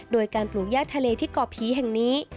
โดยการปลูกย่าทะเลที่เกาะผีแห่งนี้